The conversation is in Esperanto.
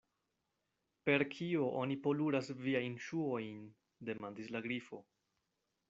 "Per kio oni poluras viajn ŝuojn?" demandis la Grifo.